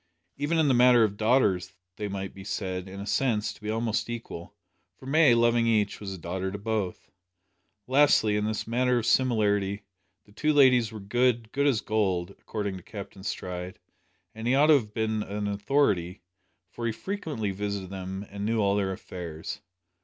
Even in the matter of daughters they might be said, in a sense, to be almost equal, for May, loving each, was a daughter to both. Lastly, in this matter of similarity, the two ladies were good good as gold, according to Captain Stride, and he ought to have been an authority, for he frequently visited them and knew all their affairs.